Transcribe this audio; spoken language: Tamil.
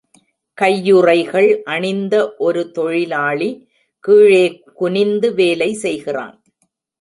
கையுறைகள் அணிந்த ஒரு தொழிலாளி கீழே குனிந்து வேலை செய்கிறான்